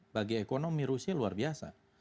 bagi ekonomi rusia luar biasa